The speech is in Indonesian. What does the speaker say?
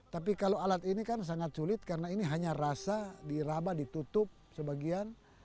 salat ini kan sangat sulit karena ini hanya rasa diraba ditutup sebagian